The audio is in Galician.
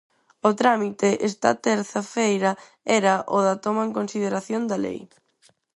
O trámite esta terza feira era o da toma en consideración da lei.